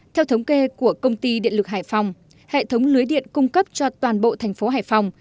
theo thống kê của công ty điện lực hải phòng hệ thống lưới điện cung cấp cho toàn bộ thành phố hải phòng